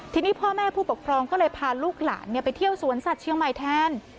ทีนี้พ่อแม่ผู้ปกครองก็เลยพาลูกหลานไปเที่ยวสวนสัตว์เชียงใหม่แทน